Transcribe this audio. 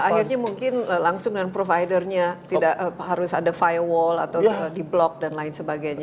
akhirnya mungkin langsung dengan providernya tidak harus ada firewall atau di block dan lain sebagainya